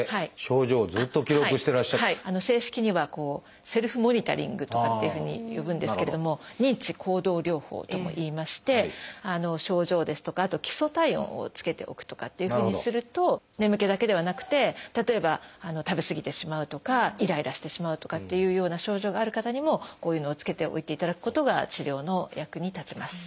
正式には「セルフモニタリング」とかっていうふうに呼ぶんですけれども「認知行動療法」ともいいまして症状ですとかあと基礎体温をつけておくとかというふうにすると眠気だけではなくて例えば食べ過ぎてしまうとかイライラしてしまうとかっていうような症状がある方にもこういうのをつけておいていただくことが治療の役に立ちます。